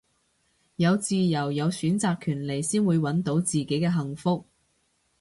有自由有選擇權利先會搵到自己嘅幸福